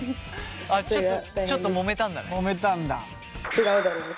ちょっともめたんだね。